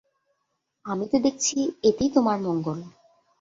আমি তো দেখছি এতেই তোমার মঙ্গল।